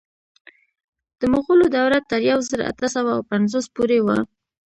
د مغولو دوره تر یو زر اته سوه اوه پنځوس پورې وه.